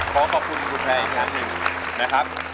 ขอขอบคุณคุณแพร่อีกครั้งหนึ่งนะครับ